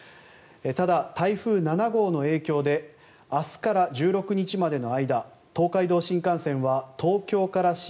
ただ、台風７号の影響で明日から１６日までの間東海道新幹線は東京から新